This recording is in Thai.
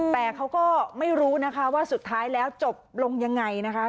แต่เขาก็ไม่รู้นะคะว่าสุดท้ายแล้วจบลงยังไงนะคะ